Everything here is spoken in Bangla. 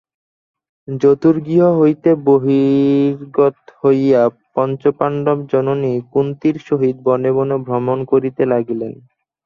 জতুগৃহ হইতে বহির্গত হইয়া পঞ্চপাণ্ডব জননী কুন্তীর সহিত বনে বনে ভ্রমণ করিতে লাগিলেন।